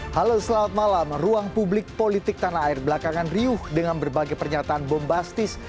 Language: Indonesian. halo selamat malam ruang publik politik tanah air belakangan riuh dengan berbagai pernyataan bombastis